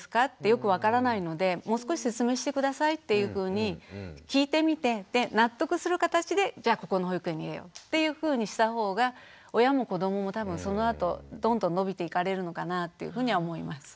よく分からないのでもう少し説明して下さい」っていうふうに聞いてみてで納得する形でじゃここの保育園に入れようっていうふうにした方が親も子どもも多分そのあとどんどん伸びていかれるのかなというふうには思います。